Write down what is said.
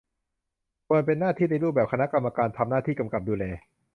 ควรเป็นหน้าที่ในรูปแบบคณะกรรมการ ทำหน้าที่กำกับดูแล